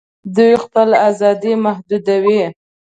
دوی خپلي آزادۍ محدودوي